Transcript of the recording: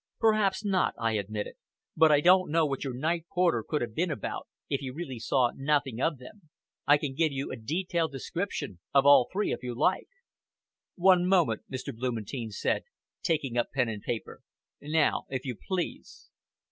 "Perhaps not," I admitted; "but I don't know what your night porter could have been about, if he really saw nothing of them. I can give you a detailed description of all three if you like." "One moment," Mr. Blumentein said, taking up pen and paper. "Now, if you please!"